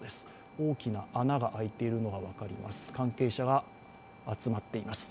大きな穴が開いているのが分かります、関係者が集まっています。